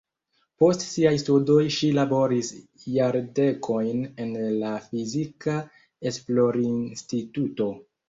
Post siaj studoj ŝi laboris jardekojn en la fizika esplorinstituto.